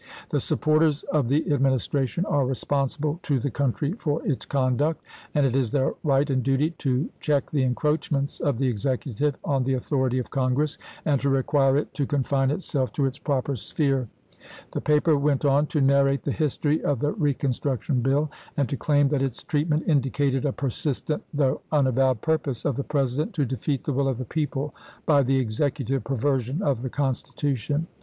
The supporters of the Administration are responsible to the country for its conduct ; and it is their right and duty to check the encroachments of the Executive on the authority of Congress, and to require it to confine itself to its proper sphere." The paper went on to narrate the history of the reconstruction bill, and to claim that its treatment indicated a persistent though unavowed purpose of the President to de feat the will of the people by the Executive per version of the Constitution.